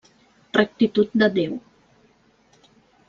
Rectitud de Déu.